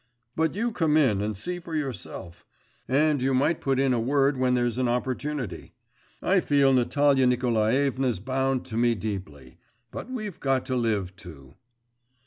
But you come in and see for yourself. And you might put in a word when there's an opportunity. I feel Natalia Nikolaevna's bounty to me deeply. But we've got to live too.